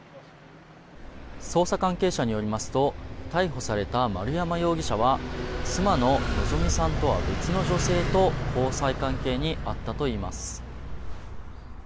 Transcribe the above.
捜査関係者によりますと逮捕された丸山容疑者は妻の希美さんとは別の女性と交際関係にあったといいます。